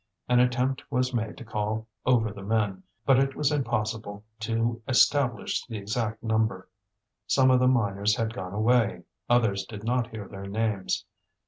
An attempt was made to call over the men, but it was impossible to establish the exact number. Some of the miners had gone away, others did not hear their names.